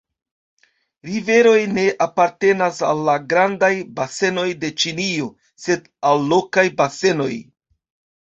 Riveroj ne apartenas al la grandaj basenoj de Ĉinio, sed al lokaj basenoj.